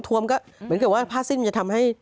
วมก็เหมือนกับว่าผ้าสิ้นมันจะทำให้